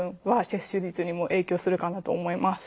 接種率にも影響するかなと思います。